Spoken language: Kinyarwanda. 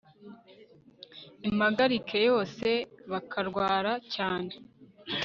impagarike yose bakarwara cyane